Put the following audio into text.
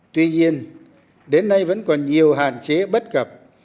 tuy nhiên đến nay vẫn còn nhiều hạn chế bất cập